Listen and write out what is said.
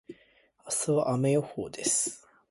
明日は雨予報です。